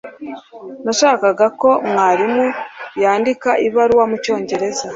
Nashakaga ko mwarimu yandika ibaruwa mucyongereza.